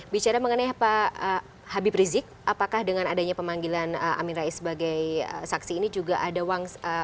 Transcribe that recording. bicara mengenai pak habib rizik apakah dengan adanya pemanggilan amin rais sebagai saksi ini juga ada uang